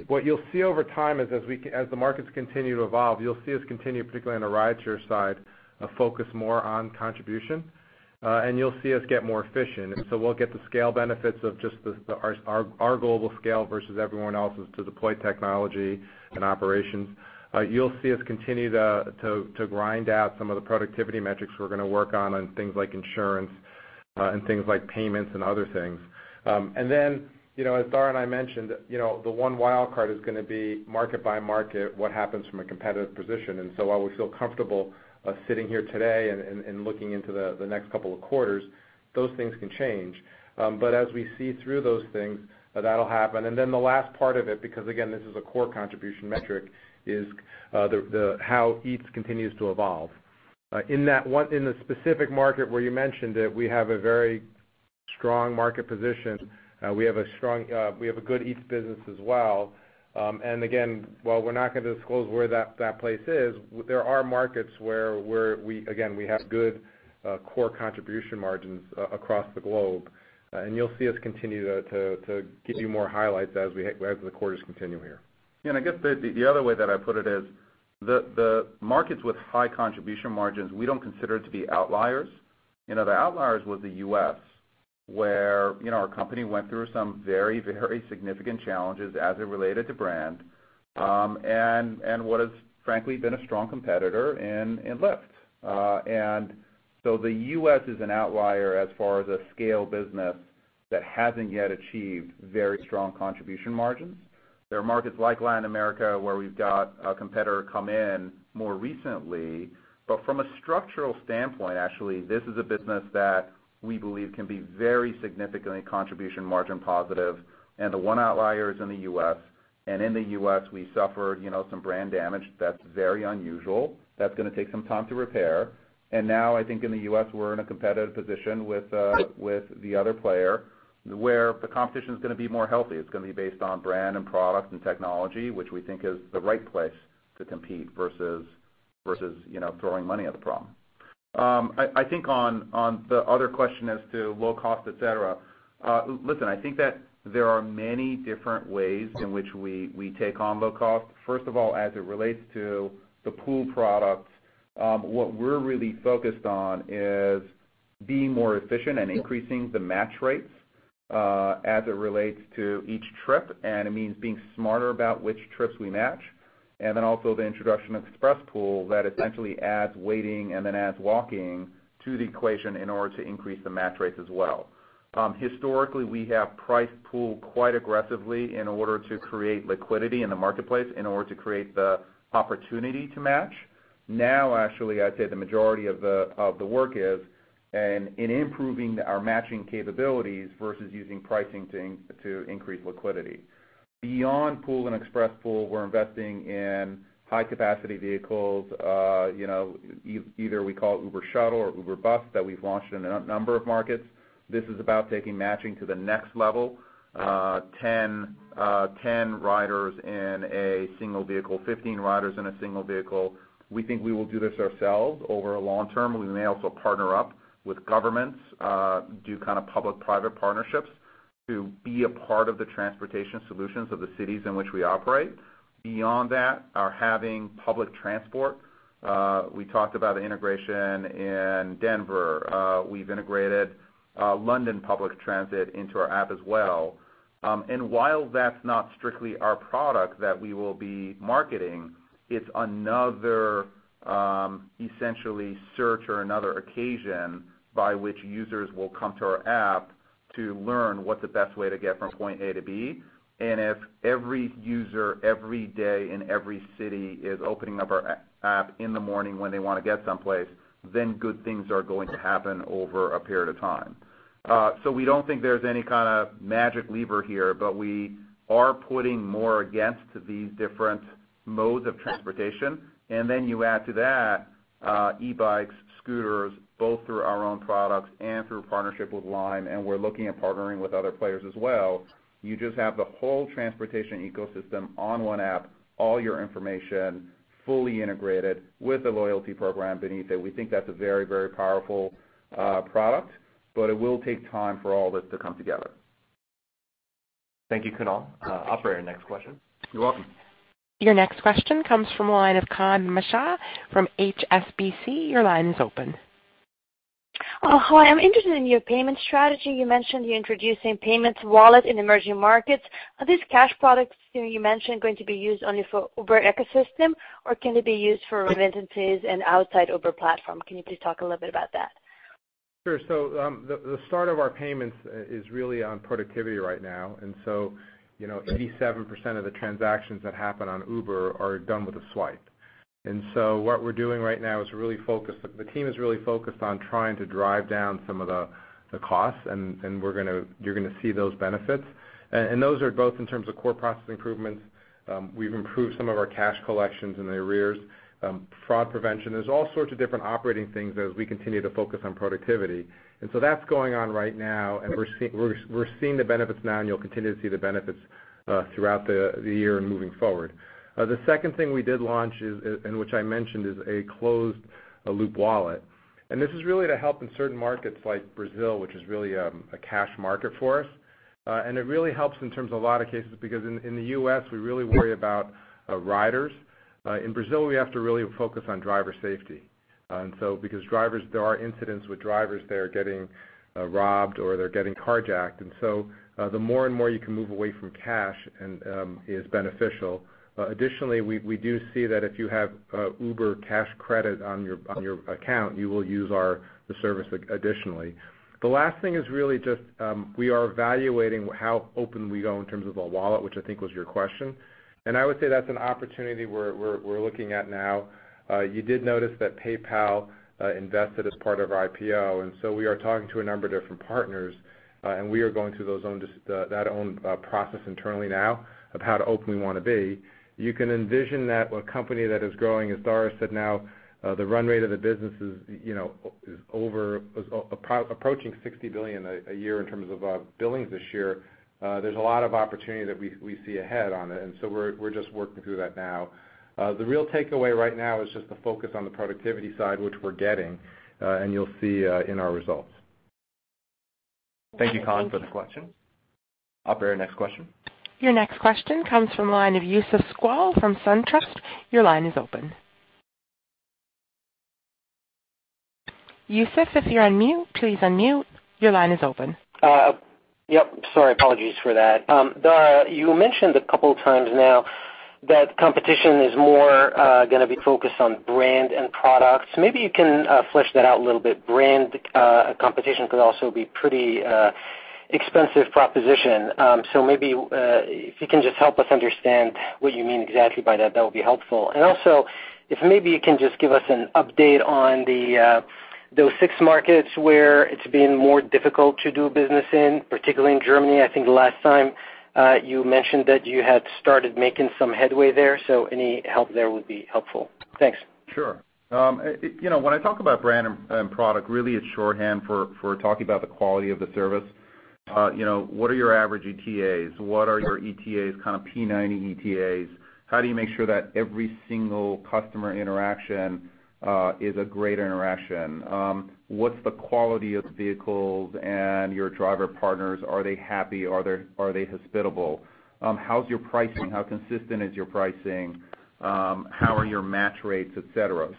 What you'll see over time is, as the markets continue to evolve, you'll see us continue, particularly on the rideshare side, focus more on contribution, and you'll see us get more efficient. We'll get the scale benefits of just our global scale versus everyone else's to deploy technology and operations. You'll see us continue to grind out some of the productivity metrics we're gonna work on things like insurance, and things like payments and other things. You know, as Dara and I mentioned, you know, the one wild card is gonna be market by market, what happens from a competitive position. While we feel comfortable sitting here today and looking into the next couple of quarters, those things can change. As we see through those things, that'll happen. The last part of it, because again, this is a core contribution metric, is the how Eats continues to evolve. In the specific market where you mentioned it, we have a very strong market position. We have a strong, we have a good Eats business as well. Again, while we're not gonna disclose where that place is, there are markets where we, again, we have good core contribution margins across the globe. You'll see us continue to give you more highlights as the quarters continue here. I guess the other way that I'd put it is the markets with high contribution margins, we don't consider to be outliers. You know, the outliers was the U.S., where, you know, our company went through some very, very significant challenges as it related to brand, and what has frankly been a strong competitor in Lyft. The U.S. is an outlier as far as a scale business that hasn't yet achieved very strong contribution margins. There are markets like Latin America, where we've got a competitor come in more recently. From a structural standpoint, actually, this is a business that we believe can be very significantly contribution margin positive, and the one outlier is in the U.S. In the U.S., we suffered, you know, some brand damage that's very unusual. That's gonna take some time to repair. Now, I think in the U.S., we're in a competitive position with the other player, where the competition's gonna be more healthy. It's gonna be based on brand and product and technology, which we think is the right place to compete versus, you know, throwing money at the problem. I think on the other question as to low cost, et cetera, listen, I think that there are many different ways in which we take on low cost. First of all, as it relates to the Pool product, what we're really focused on is being more efficient and increasing the match rates as it relates to each trip, and it means being smarter about which trips we match. Also the introduction of Express Pool, that essentially adds waiting and then adds walking to the equation in order to increase the match rates as well. Historically, we have priced Pool quite aggressively in order to create liquidity in the marketplace, in order to create the opportunity to match. Now, actually, I'd say the majority of the work is in improving our matching capabilities versus using pricing to increase liquidity. Beyond Pool and Express Pool, we're investing in high-capacity vehicles, you know, either we call it Uber Shuttle or Uber Bus, that we've launched in a number of markets. This is about taking matching to the next level. 10 riders in a single vehicle, 15 riders in a single vehicle. We think we will do this ourselves over a long term. We may also partner up with governments, do kind of public-private partnerships to be a part of the transportation solutions of the cities in which we operate. Beyond that are having public transport. We talked about integration in Denver. We've integrated London public transit into our app as well. While that's not strictly our product that we will be marketing, it's another, essentially search or another occasion by which users will come to our app to learn what the best way to get from point A to B. If every user, every day, in every city is opening up our app in the morning when they wanna get someplace, then good things are going to happen over a period of time. We don't think there's any kinda magic lever here, but we are putting more against these different modes of transportation. You add to that, e-bikes, scooters, both through our own products and through partnership with Lime, and we're looking at partnering with other players as well. You just have the whole transportation ecosystem on one app, all your information, fully integrated with a loyalty program beneath it. We think that's a very, very powerful product, but it will take time for all this to come together. Thank you, Kunal. operator, next question. You're welcome. Your next question comes from the line of Masha Kahn from HSBC. Your line is open. Hi. I'm interested in your payment strategy. You mentioned you're introducing payments wallet in emerging markets. Are these cash products, you know, you mentioned going to be used only for Uber ecosystem, or can they be used for ride instances and outside Uber platform? Can you please talk a little bit about that? Sure. The start of our payments is really on productivity right now. You know, 87% of the transactions that happen on Uber are done with a swipe. What we're doing right now is the team is really focused on trying to drive down some of the costs, and you're gonna see those benefits. Those are both in terms of core process improvements. We've improved some of our cash collections and the arrears, fraud prevention. There's all sorts of different operating things as we continue to focus on productivity. That's going on right now, and we're seeing the benefits now, and you'll continue to see the benefits throughout the year and moving forward. The second thing we did launch is, and which I mentioned, is a closed loop wallet. This is really to help in certain markets like Brazil, which is really a cash market for us. It really helps in terms of a lot of cases because in the U.S., we really worry about riders. In Brazil, we have to really focus on driver safety. Because drivers there are incidents with drivers that are getting robbed or they're getting carjacked. The more and more you can move away from cash and is beneficial. Additionally, we do see that if you have Uber Cash credit on your account, you will use the service additionally. The last thing is really just we are evaluating how open we go in terms of a wallet, which I think was your question. I would say that's an opportunity we're looking at now. You did notice that PayPal invested as part of our IPO. We are talking to a number of different partners, and we are going through that own process internally now of how to open we wanna be. You can envision that a company that is growing, as Dara said now, the run rate of the business is, you know, approaching $60 billion a year in terms of billings this year. There's a lot of opportunity that we see ahead on it. We're just working through that now. The real takeaway right now is just the focus on the productivity side, which we're getting. You'll see in our results. Thank you, Kahn, for the question. Operator, next question. Your next question comes from the line of Youssef Squali from SunTrust. Your line is open. Youssef, if you're on mute, please unmute. Your line is open. Yep, sorry, apologies for that. Dara, you mentioned 2x now that competition is more gonna be focused on brand and products. Maybe you can flesh that out a little bit. Brand competition could also be pretty expensive proposition. Maybe if you can just help us understand what you mean exactly by that would be helpful. If maybe you can just give us an update on the six markets where it's been more difficult to do business in, particularly in Germany. I think last time you mentioned that you had started making some headway there, so any help there would be helpful. Thanks. Sure. It, you know, when I talk about brand and product, really it's shorthand for talking about the quality of the service. You know, what are your average ETAs? What are your ETAs, kind of P90 ETAs? How do you make sure that every single customer interaction is a great interaction? What's the quality of the vehicles and your driver partners? Are they happy? Are they hospitable? How's your pricing? How consistent is your pricing? How are your match rates, et cetera?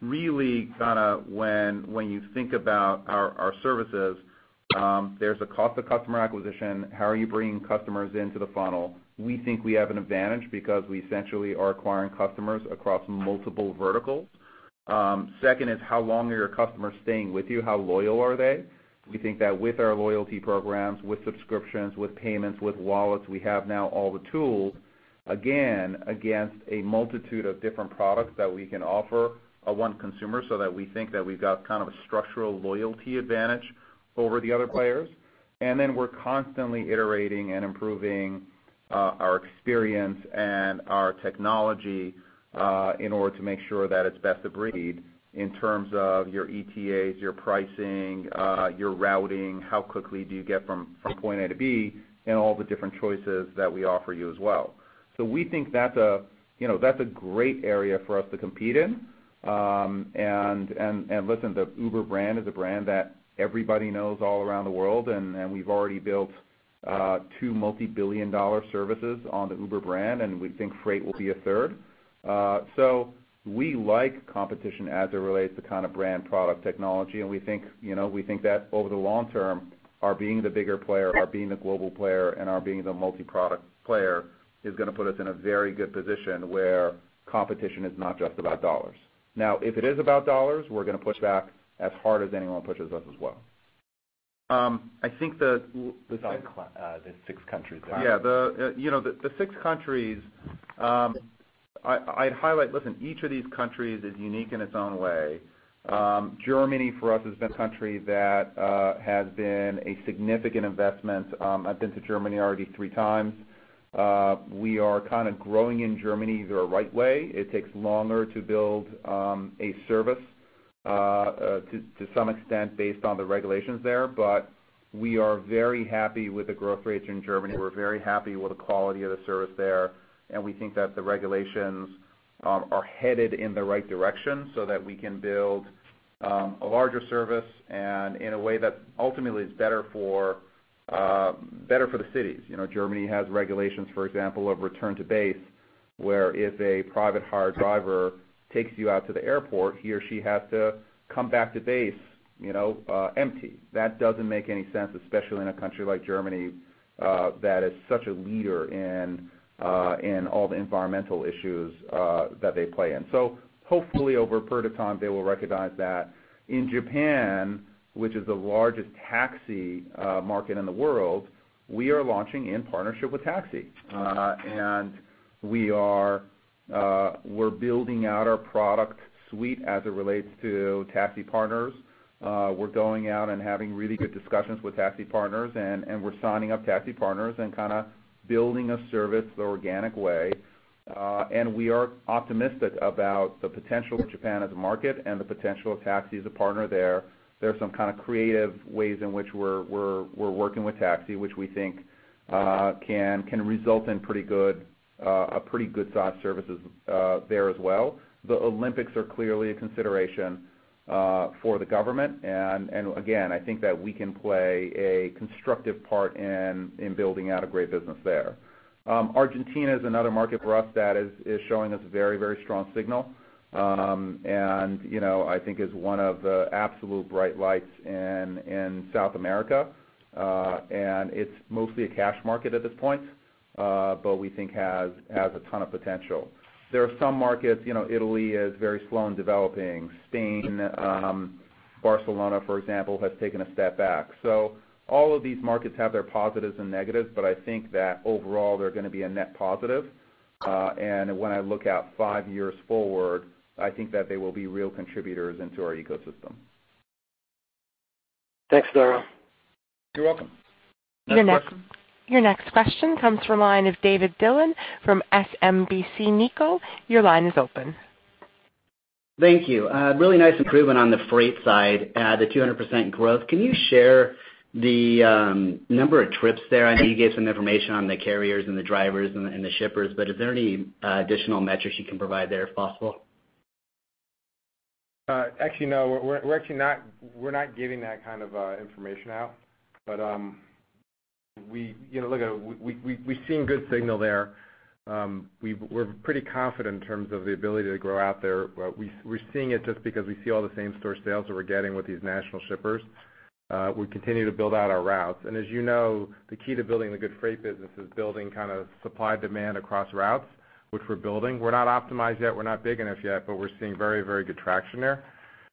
Really kind of when you think about our services, there's a cost to customer acquisition. How are you bringing customers into the funnel? We think we have an advantage because we essentially are acquiring customers across multiple verticals. Second is, how long are your customers staying with you? How loyal are they? We think that with our loyalty programs, with subscriptions, with payments, with wallets, we have now all the tools, again, against a multitude of different products that we can offer, one consumer that we think that we've got kind of a structural loyalty advantage over the other players. We're constantly iterating and improving our experience and our technology in order to make sure that it's best of breed in terms of your ETAs, your pricing, your routing, how quickly do you get from point A to B, and all the different choices that we offer you as well. We think that's a, you know, that's a great area for us to compete in. Listen, the Uber brand is a brand that everybody knows all around the world, and we've already built two multi-billion dollar services on the Uber brand, and we think Freight will be a third. We like competition as it relates to kind of brand, product, technology, and we think, you know, we think that over the long term, our being the bigger player, our being the global player, and our being the multi-product player is gonna put us in a very good position where competition is not just about dollars. If it is about dollars, we're gonna push back as hard as anyone pushes us as well. I think. Yeah, you know, the six countries, I'd highlight, listen, each of these countries is unique in its own way. Germany for us has been a country that has been a significant investment. I've been to Germany already 3x. We are kind of growing in Germany the right way. It takes longer to build a service to some extent based on the regulations there. We are very happy with the growth rates in Germany. We're very happy with the quality of the service there, and we think that the regulations are headed in the right direction so that we can build a larger service and in a way that ultimately is better for better for the cities. You know, Germany has regulations, for example, of return to base, where if a private hire driver takes you out to the airport, he or she has to come back to base, you know, empty. That doesn't make any sense, especially in a country like Germany, that is such a leader in all the environmental issues that they play in. Hopefully over a period of time, they will recognize that. In Japan, which is the largest taxi market in the world. We are launching in partnership with Taxi. We are building out our product suite as it relates to taxi partners. We're going out and having really good discussions with taxi partners, and we're signing up taxi partners and kinda building a service the organic way. We are optimistic about the potential of Japan as a market and the potential of Taxi as a partner there. There are some kinda creative ways in which we're working with Taxi, which we think can result in pretty good SaaS services there as well. The Olympics are clearly a consideration for the government. Again, I think that we can play a constructive part in building out a great business there. Argentina's another market for us that is showing us very, very strong signal. You know, I think is one of the absolute bright lights in South America. It's mostly a cash market at this point, but we think has a ton of potential. There are some markets, you know, Italy is very slow in developing. Spain, Barcelona, for example, has taken a step back. All of these markets have their positives and negatives, but I think that overall, they're gonna be a net positive. When I look out five years forward, I think that they will be real contributors into our ecosystem. Thanks, Dara. You're welcome. Next question. Your next question comes from line of David Dillon from SMBC Nikko. Your line is open. Thank you. Really nice improvement on the freight side, the 200% growth. Can you share the number of trips there? I know you gave some information on the carriers and the drivers and the shippers, but is there any additional metrics you can provide there, if possible? Actually, no. We're actually not, we're not giving that kind of information out. We, you know, look, we're seeing good signal there. We're pretty confident in terms of the ability to grow out there. We're seeing it just because we see all the same store sales that we're getting with these national shippers. We continue to build out our routes. As you know, the key to building a good freight business is building kind of supply-demand across routes, which we're building. We're not optimized yet, we're not big enough yet, but we're seeing very good traction there.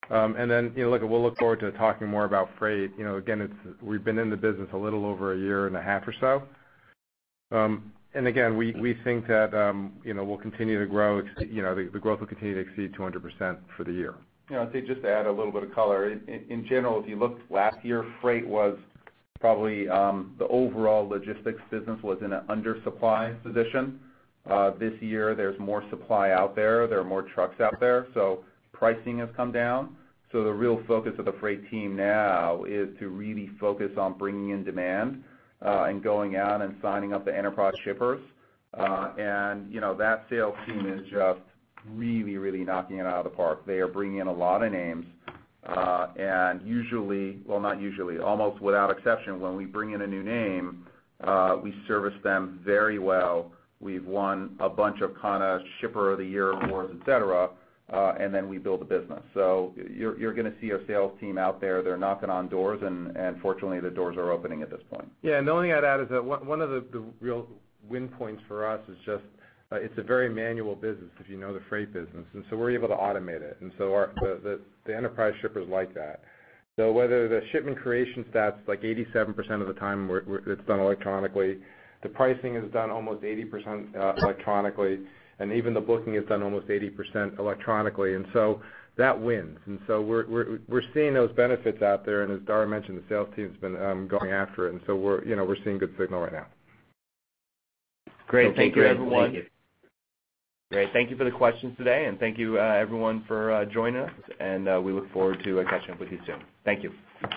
You know, look, we'll look forward to talking more about freight. You know, again, it's, we've been in the business a little over 1.5 years or so. Again, we think that, you know, we'll continue to grow. You know, the growth will continue to exceed 200% for the year. You know, I'd say just to add a little bit of color. In general, if you looked last year, Uber Freight was probably the overall logistics business was in a undersupply position. This year there's more supply out there. There are more trucks out there. Pricing has come down. The real focus of the Uber Freight team now is to really focus on bringing in demand and going out and signing up the enterprise shippers. You know, that sales team is just really, really knocking it out of the park. They are bringing in a lot of names. Almost without exception, when we bring in a new name, we service them very well. We've won a bunch of kinda Shipper of the Year awards, et cetera, we build a business. You're gonna see our sales team out there. They're knocking on doors, and fortunately, the doors are opening at this point. Yeah. The only thing I'd add is that one of the real win points for us is just, it's a very manual business if you know the freight business, so we're able to automate it. Our, the enterprise shippers like that. Whether the shipment creation stats like 87% of the time we're it's done electronically, the pricing is done almost 80% electronically, even the booking is done almost 80% electronically. That wins. We're seeing those benefits out there. As Dara mentioned, the sales team's been going after it. We're, you know, we're seeing good signal right now. Great. Thank you, everyone. Great. Thank you for the questions today, and thank you everyone for joining us. We look forward to catching up with you soon. Thank you.